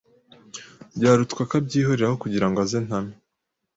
byaruta akabyihorera aho kugirango aze ntame